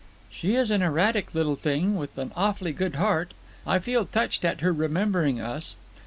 "She is an erratic little thing with an awfully good heart. I feel touched at her remembering us.